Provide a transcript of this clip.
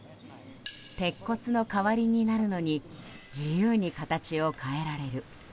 鉄骨の代わりになるのに自由に形を変えられる。